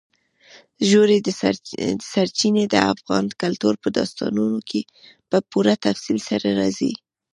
ژورې سرچینې د افغان کلتور په داستانونو کې په پوره تفصیل سره راځي.